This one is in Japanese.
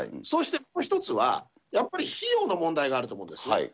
そうしてもう一つは、やっぱり費用の問題があると思うんですね。